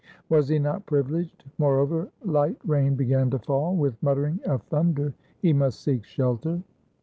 Was he not privileged? Moreover, light rain began to fall, with muttering of thunder: he must seek shelter.